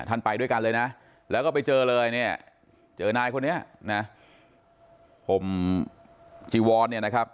ไปด้วยกันเลยนะแล้วก็ไปเจอเลยเนี่ยเจอนายคนนี้นะผมจีวอนเนี่ยนะครับ